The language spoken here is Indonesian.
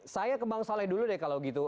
saya ke bang saleh dulu deh kalau gitu